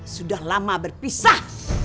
sudah lama berpisah